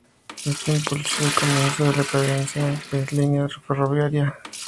Esto impulsó el comienzo de la decadencia de esta línea ferroviaria.